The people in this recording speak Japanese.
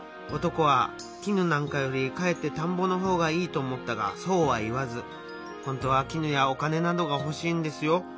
男は絹なんかよりかえってたんぼのほうがいいと思ったがそうは言わず「ホントは絹やお金などがほしいんですよ。